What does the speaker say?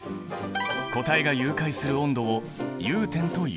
固体が融解する温度を融点という。